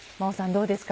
どうですか？